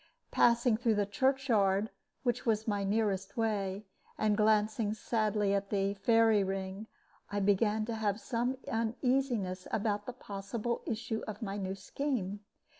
Passing through the church yard, which was my nearest way, and glancing sadly at the "fairy ring," I began to have some uneasiness about the possible issue of my new scheme.